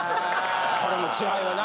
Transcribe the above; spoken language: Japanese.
これもつらいよな。